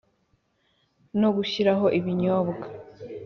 no gushiraho ibinyobwa?